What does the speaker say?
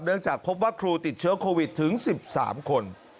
เนื่องจากพบว่าครูติดเชื้อโควิด๑๙ถึง๑๓คน